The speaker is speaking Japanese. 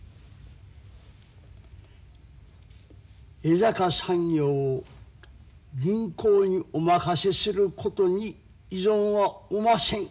江坂産業を銀行にお任せすることに異存はおません。